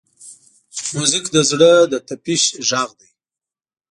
موزیک د زړه د طپش غږ دی.